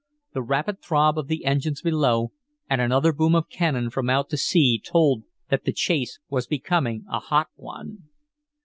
The rapid throb of the engines below and another boom of cannon from out to sea told that the chase was becoming a hot one.